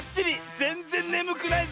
ぜんぜんねむくないぜ！